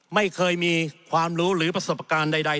ไม่เคยมีความรู้หรือประสบการณ์ใด